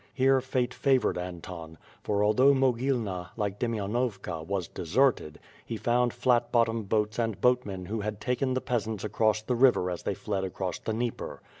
Here, fate favored Antony, for although Mogilna, like Demainovka, was deserted, he found flat bottom boats and boatmen who had taken the peasants across the river as they fled across the Dnieper.